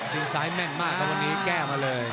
ตีนซ้ายมากเลยครับแก้มมากเลย